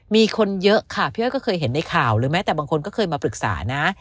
มีคนเยอะค่ะพี่อ้อยก็เคยเห็นในข่าวหรือแม้แต่บางคนก็เคยมาปรึกษานะ